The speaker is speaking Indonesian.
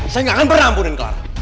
saya akan berampunin